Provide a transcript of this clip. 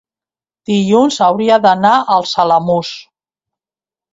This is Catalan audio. dilluns hauria d'anar als Alamús.